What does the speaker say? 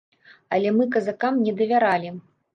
Але мы казакам не давяралі.